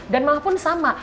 dan mamah pun sama